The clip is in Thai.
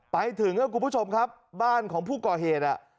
ไปถึงครับคุณผู้ชมครับบ้านของผู้ก่อเหตุ